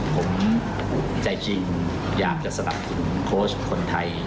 ผมใจจริงอยากจะสนับสนุนโค้ชคนไทย